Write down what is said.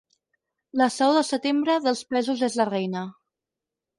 La saó de setembre, dels pèsols és la reina.